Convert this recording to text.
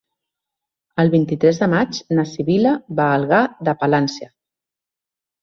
El vint-i-tres de maig na Sibil·la va a Algar de Palància.